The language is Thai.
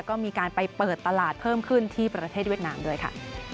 ก็มีการไปเปิดตลาดเพิ่มขึ้นที่ประเทศเวียดนามด้วยค่ะ